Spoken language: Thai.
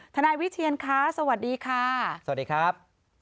นายวิเชียนคะสวัสดีค่ะสวัสดีครับ